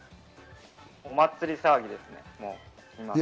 お祭り騒ぎです。